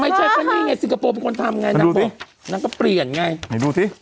ไม่ใช่ก็นี่ไงสิงคโปร์เป็นคนทำไงนางบอกนางก็เปลี่ยนไงไหนดูสิ